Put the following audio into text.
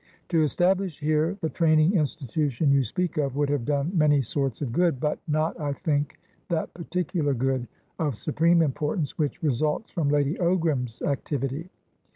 To establish here the training institution you speak of would have done many sorts of good, but not, I think, that particular good, of supreme importance, which results from Lady Ogram's activity.